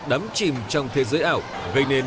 đắm chìm trong thế giới ảo gây nên